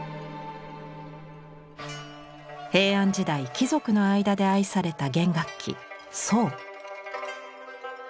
平安時代貴族の間で愛された弦楽器筝。